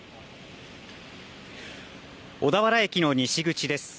小田原駅の西口です。